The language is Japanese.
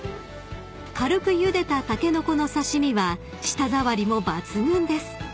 ［軽くゆでたタケノコの刺し身は舌触りも抜群です］